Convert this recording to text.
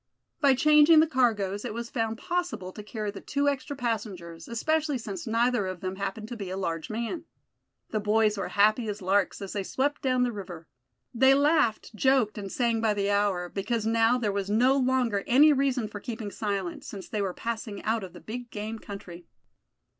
By changing the cargoes it was found possible to carry the two extra passengers, especially since neither of them happened to be a large man. The boys were as happy as larks as they swept down the river. They laughed, joked and sang by the hour, because now there was no longer any reason for keeping silent, since they were passing out of the big game country.